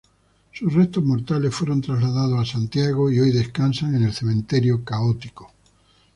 Sus restos mortales fueron trasladados a Santiago, y hoy descansan en el Cementerio Católico.